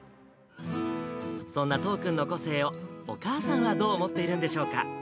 そんな都央君の個性を、お母さんはどう思っているんでしょうか。